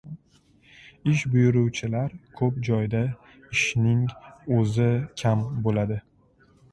• Ish buyuruvchilar ko‘p joyda ishning o‘zi kam bo‘ladi.